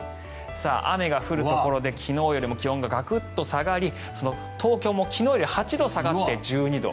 雨が降るところで昨日よりも気温がガクッと下がり東京も昨日より８度下がって１２度。